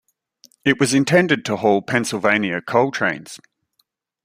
It was intended to haul Pennsylvania coal trains.